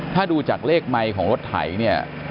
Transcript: ถ้าดูจากเลขไมค์ของรถไถเนี่ย